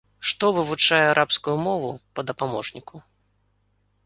Што вывучае арабскую мову па дапаможніку.